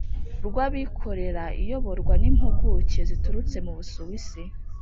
rw Abikorera iyoborwa n impuguke ziturutse mu Busuwisi